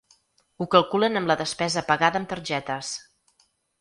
Ho calculen amb la despesa pagada amb targetes.